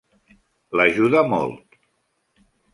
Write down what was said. L'ajuda molt.